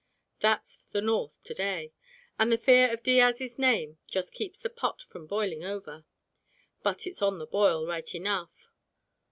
That's the North to day, and the fear of Diaz's name just keeps the pot from boiling over; but it's on the boil, right enough.